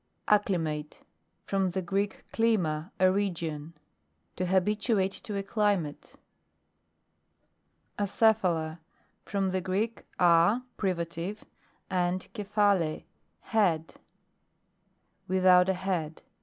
ACCLIMATE From the Greek, klirna, a region: to habituate to a climate. ACEPHALA. From the Greek, a, pri vative, and kephale, head. With out a head.